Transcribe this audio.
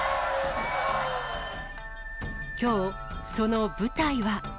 きょう、その舞台は。